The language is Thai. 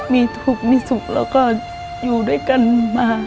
มีศพมีศพแล้วก็อยู่ด้วยกันมา